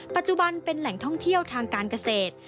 ปัจจุบันเป็นแหล่งท่องเที่ยวทางการเกษตร